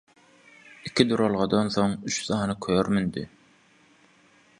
Iki duralgadan soň üç sany kör mündi.